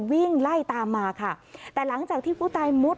วิ่งไล่ตามมาค่ะแต่หลังจากที่ผู้ตายมุด